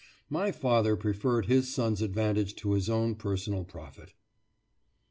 My father preferred his son's advantage to his own personal profit.